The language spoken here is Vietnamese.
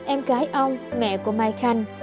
em gái ông mẹ của mai khanh